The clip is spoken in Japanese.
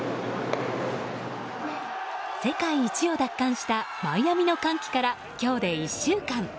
世界一を奪還したマイアミの歓喜から今日で１週間。